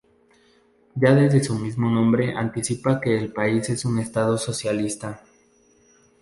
Ya desde su mismo nombre anticipa que el país es un Estado socialista.